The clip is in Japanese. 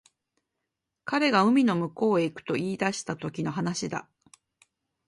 彼が海の向こうに行くと言い出したときの話だ